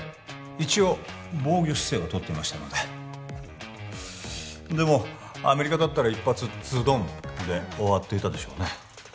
一応防御姿勢をとっていましたのででもアメリカだったら一発ズドンで終わっていたでしょうね